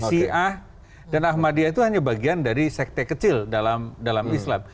syiah dan ahmadiyah itu hanya bagian dari sekte kecil dalam islam